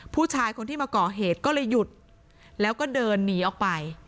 ผู้ชายคนที่มาก่อเหตุก็เลยหยุดแล้วก็เดินหนีออกไป